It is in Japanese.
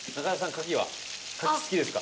カキ好きですか？